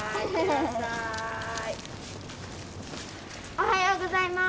おはようございます。